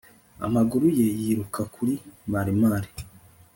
Amaguru ye yiruka kuri marimari